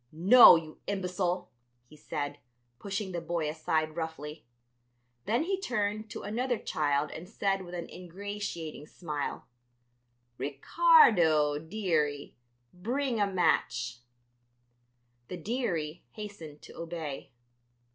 "No, you imbecile," he said, pushing the boy aside roughly. Then he turned to another child and said with an ingratiating smile: "Ricardo, dearie, bring a match." The "dearie" hastened to obey.